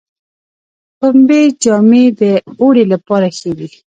پنبې جامې د اوړي لپاره ښې دي